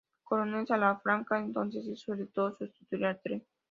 Coronel Salafranca entonces si solicitó sustituir al Tte.